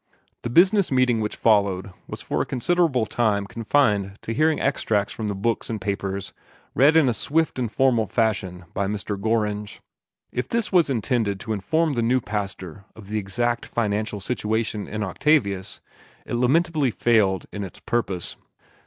The business meeting which followed was for a considerable time confined to hearing extracts from the books and papers read in a swift and formal fashion by Mr. Gorringe. If this was intended to inform the new pastor of the exact financial situation in Octavius, it lamentably failed of its purpose.